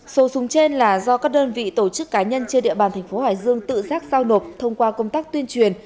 sổ súng trên là do các đơn vị tổ chức cá nhân trên địa bàn tp hải dương tự giác giao nộp thông qua công tác tuyên truyền